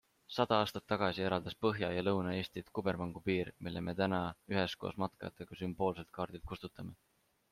Sada aastat tagasi eraldas Põhja- ja Lõuna-Eestit kubermangupiir, mille me täna üheskoos matkajatega sümboolselt kaardilt kustutame.